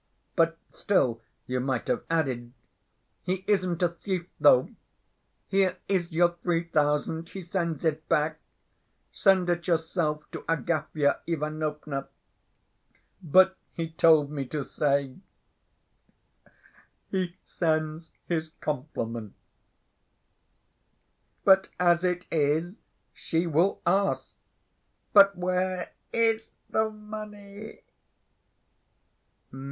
But still you might have added, 'He isn't a thief though. Here is your three thousand; he sends it back. Send it yourself to Agafya Ivanovna. But he told me to say "he sends his compliments." ' But, as it is, she will ask, 'But where is the money?